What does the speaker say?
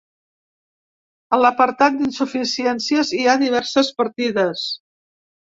A l’apartat d’insuficiències, hi ha diverses partides.